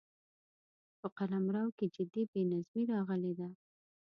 په قلمرو کې جدي بې نظمي راغلې ده.